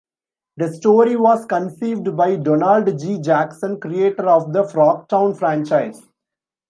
The story was conceived by Donald G. Jackson, creator of the "Frogtown" franchise.